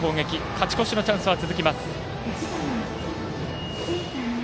勝ち越しのチャンスは続きます。